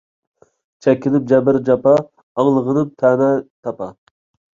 چەككىنىم جەبر-جاپا، ئاڭلىغىنىم تەنە – تاپا